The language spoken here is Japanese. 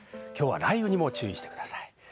雷雨にも注意してください。